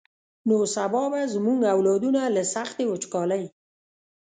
نو سبا به زمونږ اولادونه له سختې وچکالۍ.